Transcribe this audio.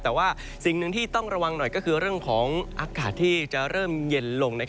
แต่ว่าสิ่งหนึ่งที่ต้องระวังหน่อยก็คือเรื่องของอากาศที่จะเริ่มเย็นลง